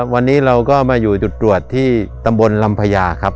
วันนี้เราก็มาอยู่จุดตรวจที่ตำบลลำพญาครับ